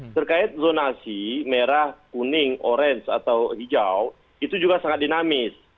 terkait zonasi merah kuning orange atau hijau itu juga sangat dinamis